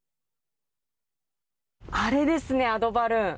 あれですね、アドバルーン。